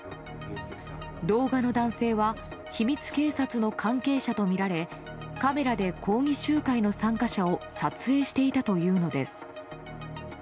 動画の男性は秘密警察の関係者とみられカメラで抗議集会の参加者を撮影していたというのです。